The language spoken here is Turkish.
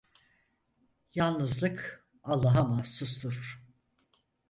Yalnızlık, Allah'a mahsustur.